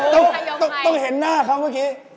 ต้องเห็นหน้าเขาเมื่อกี้